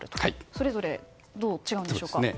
それぞれどう違うんでしょうか？